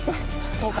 そうか。